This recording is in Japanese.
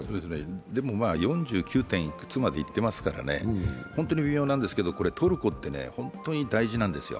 でも４９．いくつまでいってますので本当に微妙なんですけど、トルコって本当に大事なんですよ。